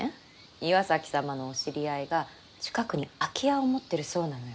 岩崎様のお知り合いが近くに空き家を持ってるそうなのよ。